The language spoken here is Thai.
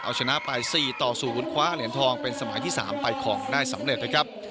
เอาชนะไป๔ต่อ๐คว้าเหรียญทองเป็นสมัยที่๓ไปของได้สำเร็จนะครับ